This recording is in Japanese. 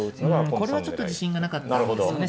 これはちょっと自信がなかったんですよね。